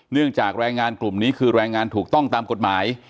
จากแรงงานกลุ่มนี้คือแรงงานถูกต้องตามกฎหมาย